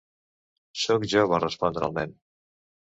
"Sóc jo", va respondre el nen.